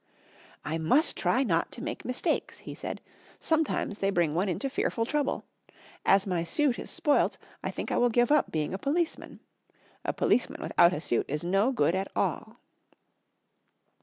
"I must try not to make mistakes," he said, "sometimes they bring one into fearful trouble. As my suit is spoilt I think I will give up being a policeman. A policeman without a suit is no good at all."